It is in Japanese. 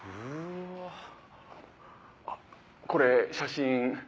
あっこれ写真。